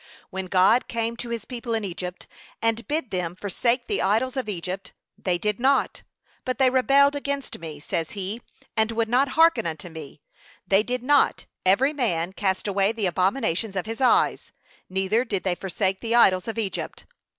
When God came to his people in Egypt, and bid them forsake the idols of Egypt, they did not. But they rebelled against me, says he, and would not hearken unto me; they did not, every man, cast away the abominations of his eyes, neither did they forsake the idols of Egypt.